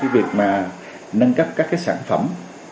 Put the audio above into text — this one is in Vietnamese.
việc nâng cấp các sản phẩm